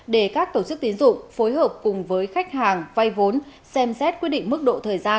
để các tổ chức tiến dụng phối hợp cùng với khách hàng vay vốn xem xét quyết định mức độ thời gian